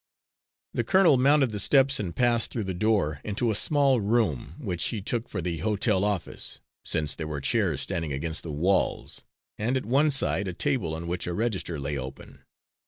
The colonel mounted the steps and passed through the door into a small room, which he took for the hotel office, since there were chairs standing against the walls, and at one side a table on which a register lay open.